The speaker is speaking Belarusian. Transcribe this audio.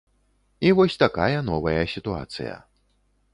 І вось такая новая сітуацыя.